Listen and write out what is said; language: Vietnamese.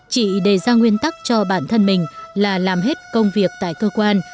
chị đề ra nguyên tắc cho bản thân mình là làm hết công việc tại cơ quan